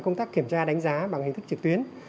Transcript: công tác kiểm tra đánh giá bằng hình thức trực tuyến